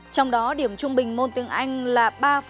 trong đó điểm trung bình môn tiếng anh là ba chín mươi một